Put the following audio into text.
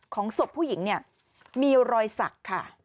ศพผู้หญิงเนี่ยมีรอยสักค่ะ